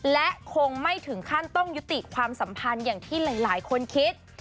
และคงไม่ถึงขั้นต้องยุติความสัมพันธ์อย่างที่หลายคนคิด